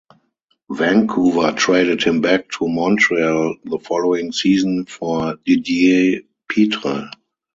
Vancouver traded him back to Montreal the following season for Didier Pitre.